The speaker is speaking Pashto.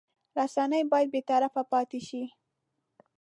رسنۍ باید بېطرفه پاتې شي.